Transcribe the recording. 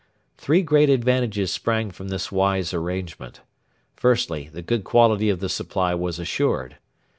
Three great advantages sprang from this wise arrangement. Firstly, the good quality of the supply was assured.